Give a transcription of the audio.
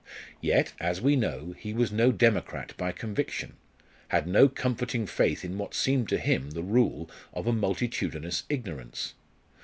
Yet, as we know, he was no democrat by conviction, had no comforting faith in what seemed to him the rule of a multitudinous ignorance.